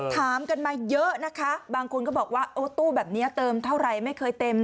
ถามกันมาเยอะนะคะบางคนก็บอกว่าโอ้ตู้แบบนี้เติมเท่าไหร่ไม่เคยเต็ม